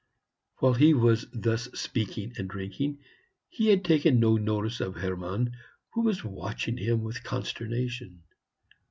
While he was thus speaking and drinking, he had taken no notice of Hermann, who was watching him with consternation.